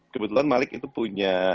kebetulan malik itu punya